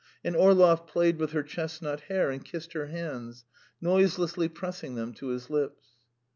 And Orlov played with her chestnut hair and kissed her hands, noiselessly pressing them to his lips.